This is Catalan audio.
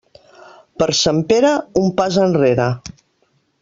Per Sant Pere, un pas enrere.